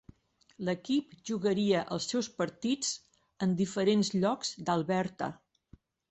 L'equip jugaria els seus partits en diferents llocs d'Alberta.